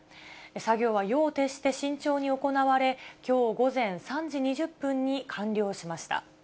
作業は夜を徹して慎重に行われ、きょう午前３時２０分に完了しました。